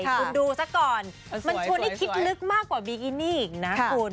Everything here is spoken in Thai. คุณดูซะก่อนมันชวนให้คิดลึกมากกว่าบิกินี่อีกนะคุณ